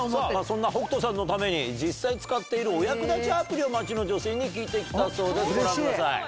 そんな北斗さんのために実際使っているお役立ちアプリを街の女性に聞いてきたそうですご覧ください。